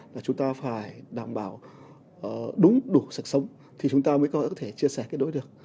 là chúng ta phải đảm bảo đúng đủ sức sống thì chúng ta mới có thể chia sẻ kết đối được